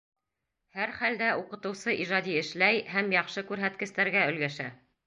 Һәр хәлдә уҡытыусы ижади эшләй һәм яҡшы күрһәткестәргә өлгәшә.